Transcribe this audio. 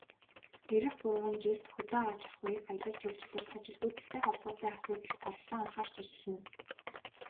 Ирэх гурван жилд хөдөө аж ахуй, аялал жуулчлал, ажилгүйдэлтэй холбоотой асуудалд голлон анхаарч ажиллана.